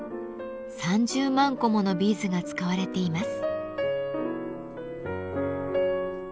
３０万個ものビーズが使われています。